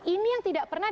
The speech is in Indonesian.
ini yang tidak pernah